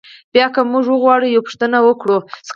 بیا که موږ وغواړو یوه پوښتنه وکړو.